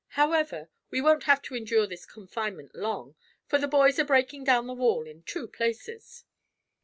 However, we won't have to endure this confinement long, for the boys are breaking down the wall in two places."